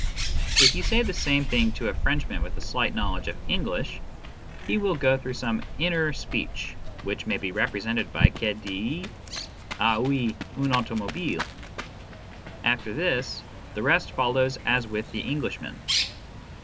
If you say the same thing to a Frenchman with a slight knowledge of English, he will go through some inner speech which may be represented by " Que dit il ? Ah oui, une automobile." After this, the rest follows as with the Englishman.